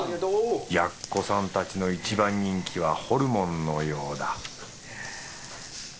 やっこさんたちのいちばん人気はホルモンのようだ